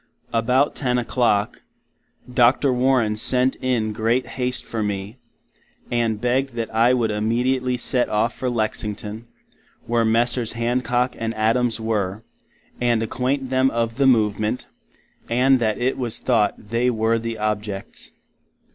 About 10 o'Clock, Dr. Warren Sent in great haste for me, and beged that I would imediately Set off for Lexington, where Messrs. Hancock and Adams were, and acquaint them of the Movement, and that it was thought they were the objets.